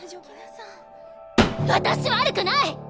私悪くない！